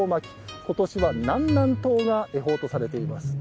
今年は、南南東が恵方とされています。